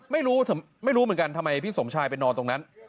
ไม่รู้ไม่รู้เหมือนกันทำไมพี่สมชายไปนอนตรงนั้น